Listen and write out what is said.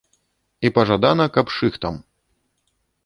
І пажадана, каб шыхтам.